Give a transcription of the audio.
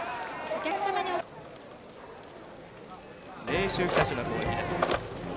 明秀日立の攻撃です。